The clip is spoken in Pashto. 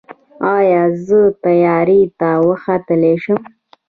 ایا زه طیارې ته وختلی شم؟